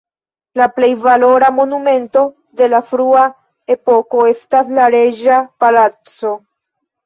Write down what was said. La plej valora monumento de la frua epoko estas la reĝa palaco.